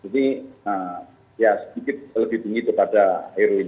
jadi ya sedikit lebih tinggi daripada heroin